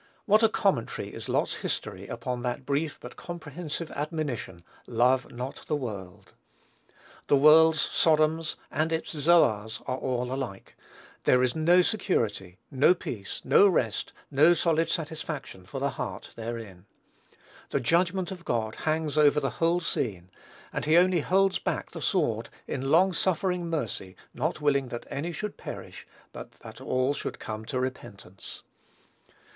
What a commentary is Lot's history upon that brief but comprehensive admonition, "Love not the world!" This world's Sodoms and its Zoars are all alike. There is no security, no peace, no rest, no solid satisfaction for the heart therein. The judgment of God hangs over the whole scene; and he only holds back the sword, in long suffering mercy, not willing that any should perish, but that all should come to repentance.